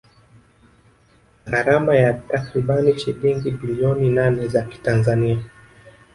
Gharama ya takribani shilingi bilioni nane za kitanzania